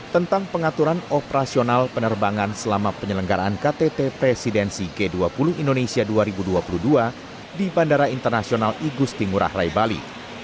tentang pengaturan operasional penerbangan selama penyelenggaraan ktt presidensi g dua puluh indonesia dua ribu dua puluh dua di bandara internasional igusti ngurah rai bali